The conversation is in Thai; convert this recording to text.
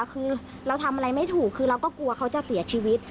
คือเราทำอะไรไม่ถูกคือเราก็กลัวเขาจะเสียชีวิต